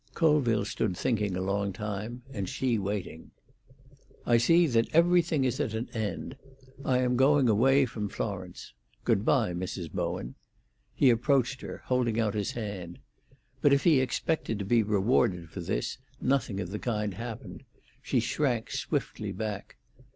Colville stood thinking a long time and she waiting. "I see that everything is at an end. I am going away from Florence. Good bye, Mrs. Bowen." He approached her, holding out his hand. But if he expected to be rewarded for this, nothing of the kind happened. She shrank swiftly back.